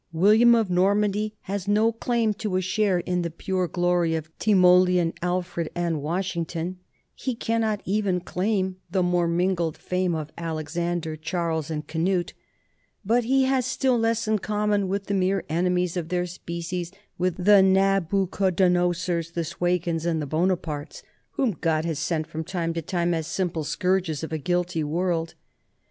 William of Normandy has no claim to a share in the pure glory of Timoleon, ^Elfred, and Washington; he cannot even claim the more mingled fame of Alexander, Charles, and Cnut; but he has still less in common with the mere ene mies of their species, with the Nabuchodonosors, the Swegens, and the Buonapartes, whom God has sent from time to time as simple scourges of a guilty world.